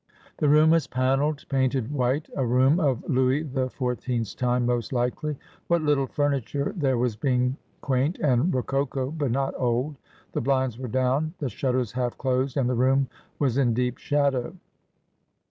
The room was panelled, painted white, a room of Louis the Four teenth's time most likely ; what little furniture there was being quaint and rococo, but not old. The blinds were down, the shutters half closed, and the room was in deep shadow.